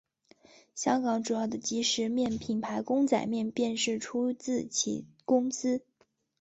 香港主要的即食面品牌公仔面便是出自其公司。